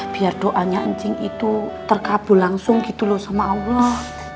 biar doanya encing itu terkabul langsung gitu loh sama allah